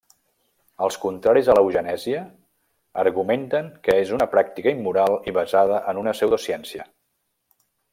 Els contraris a l'eugenèsia argumenten que és una pràctica immoral i basada en una pseudociència.